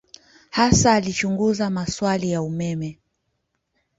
Hasa alichunguza maswali ya umeme.